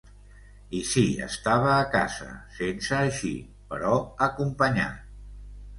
I si estava a casa, sense eixir, però acompanyat...